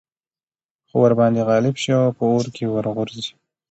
خو ورباندي غالب شي او په اور كي ورغورځي